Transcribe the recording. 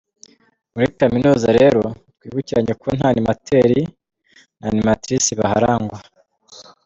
Muri Kaminuza rero, twibukiranye ko nta Animateur na animatrice baharangwa.